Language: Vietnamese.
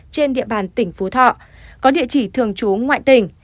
trên địa bàn tỉnh phú thọ có địa chỉ thường trú ngoại tỉnh